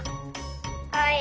はい。